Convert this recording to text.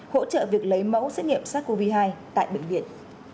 hỗ trợ việc lấy mẫu xét nghiệm sars cov hai tại bệnh viện